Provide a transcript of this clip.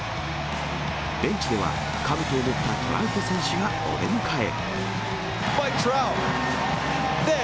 ベンチでは、かぶとを持ったトラウト選手がお出迎え。